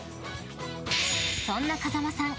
そんな風間さん